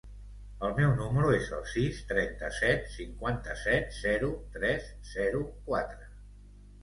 El meu número es el sis, trenta-set, cinquanta-set, zero, tres, zero, quatre.